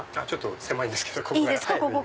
狭いんですけどここから。